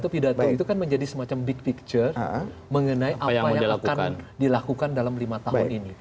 pidato itu kan menjadi semacam big picture mengenai apa yang akan dilakukan dalam lima tahun ini